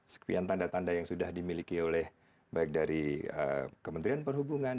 sekian tanda tanda yang sudah dimiliki oleh baik dari kementerian perhubungan